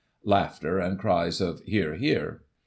(Laughter, and cries of " Hear, hear.")